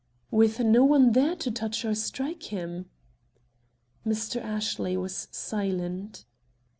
"With no one there to touch or strike him." Mr. Ashley was silent.